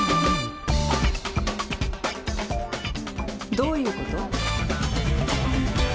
どういうこと？